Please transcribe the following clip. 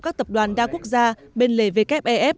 các tập đoàn đa quốc gia bên lề wtf